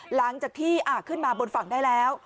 หลังจากที่ขึ้นมาบนฝั่งได้แล้ว